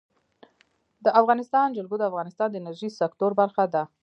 د افغانستان جلکو د افغانستان د انرژۍ سکتور برخه ده.